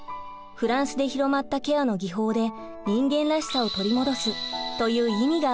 フランスで広まったケアの技法で人間らしさを取り戻すという意味があります。